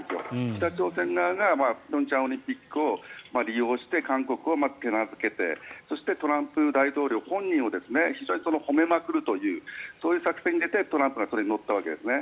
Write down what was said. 北朝鮮側が平昌オリンピックを利用して韓国を手なずけてそして、トランプ前大統領本人を非常に褒めまくるというそういう作戦に出てトランプがそれに乗ったわけですね。